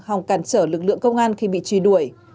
hòng cản trở lực lượng công an khi bị truy đuổi